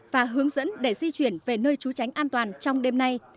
và hướng dẫn để di chuyển về nơi trú tránh an toàn trong đêm nay